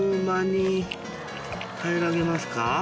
平らげますか？